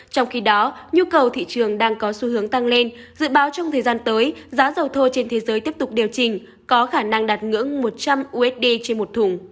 trong khi đó nhu cầu thị trường đang có xu hướng tăng lên dự báo trong thời gian tới giá dầu thô trên thế giới tiếp tục điều chỉnh có khả năng đạt ngưỡng một trăm linh usd trên một thùng